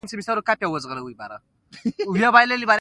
د روم پاچا قسطنطین یهودیت پرېښود او عیسویت یې قبول کړ.